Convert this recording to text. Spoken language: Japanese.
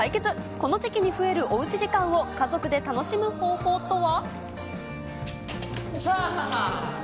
この時期に増えるおうち時間を家族で楽しむ方法とは？